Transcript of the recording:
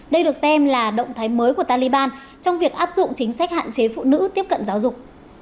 đây được xem là động thái mới của taliban trong việc áp dụng chính sách hạn chế phụ nữ tiếp cận giáo dục